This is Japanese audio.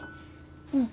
うん。